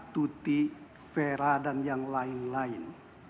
tuti vera dan yang lain lain